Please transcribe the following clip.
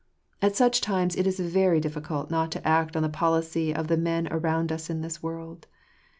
At such times it is very difficult not to act on the policy of the men around us in the world.